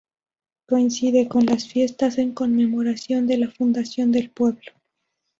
Coincide con las fiestas en conmemoración de la fundación del pueblo.